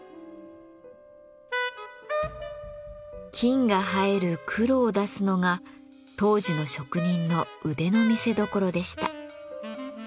金が映える黒を出すのが当時の職人の腕の見せどころでした。